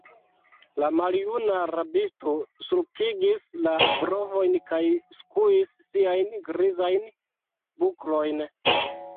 La maljuna rabisto sulkigis la brovojn kaj skuis siajn grizajn buklojn.